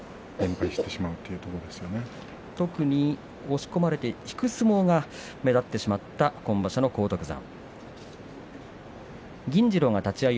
特に押し込まれて引く相撲が目立ってしまった今場所の荒篤山。